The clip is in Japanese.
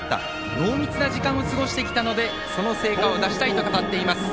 濃密な時間を過ごしてきたのでその成果を出したいと語りました。